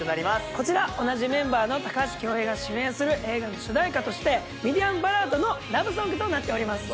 こちら同じメンバーの高橋恭平が主演する映画の主題歌としてミディアムバラードのラブソングとなっております。